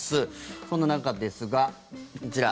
そんな中ですが、こちら。